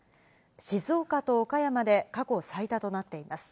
静岡と岡山で過去最多となっています。